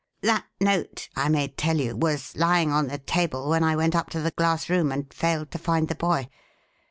"That note, I may tell you, was lying on the table when I went up to the glass room and failed to find the boy.